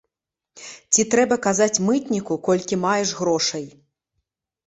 Ці трэба казаць мытніку, колькі маеш грошай?